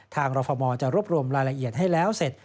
รฟมจะรวบรวมรายละเอียดให้แล้วเสร็จ